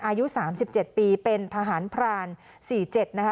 อายุสามสิบเจ็บปีเป็นทหารพรานสี่เจ็ดนะคะ